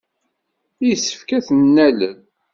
Yessefk ad ten-nalel.